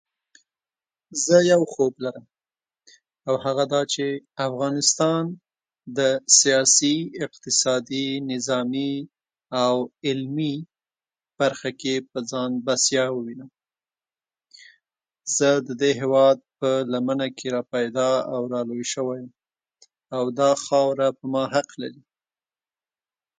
زه یو خوب لرم، او هغه دا چې افغانستان د سیاسي، اقتصادي، نظامي او علمي برخه کې په ځان بسیا ووینم. زه د دې هېواد په لمنه کې راپیدا او رالوی شوی یم، او دا خاوره پر ما حق لري.